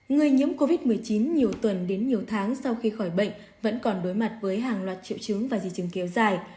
người nhiễm covid một mươi chín nhiều tuần đến nhiều tháng sau khi khỏi bệnh vẫn còn đối mặt với hàng loạt triệu chứng và di chứng kéo dài